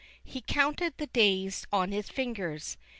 He counted the days on his fingers.